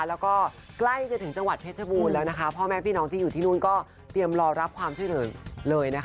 แล้วก็ใกล้จะถึงจังหวัดเพชรบูรณ์แล้วนะคะพ่อแม่พี่น้องที่อยู่ที่นู่นก็เตรียมรอรับความช่วยเหลือเลยนะคะ